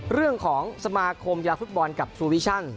เรื่องของสมาคมกีฬาฟุตบอลกับชูวิชั่น